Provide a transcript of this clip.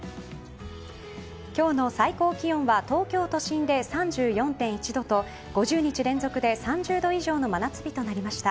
今日の最高気温は東京都心で３４．１度と５０日連続で３０度以上の真夏日となりました。